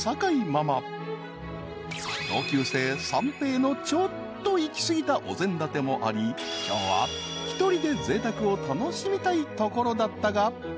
［同級生三平のちょっと行き過ぎたお膳立てもあり今日は一人でぜいたくを楽しみたいところだったが］